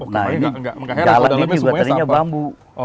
nah ini jalan ini juga tadinya bambu